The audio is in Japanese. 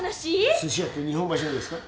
すし屋って日本橋のですか？